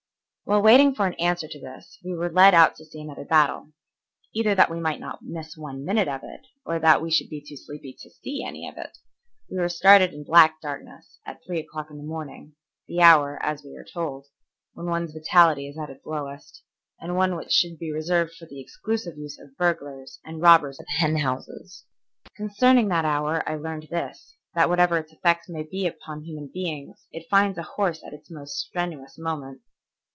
While waiting for an answer to this we were led out to see another battle. Either that we might not miss one minute of it, or that we should be too sleepy to see anything of it, we were started in black darkness, at three o'clock in the morning, the hour, as we are told, when one's vitality is at its lowest, and one which should be reserved for the exclusive use of burglars and robbers of hen roosts. Concerning that hour I learned this, that whatever its effects may be upon human beings, it finds a horse at his most strenuous moment.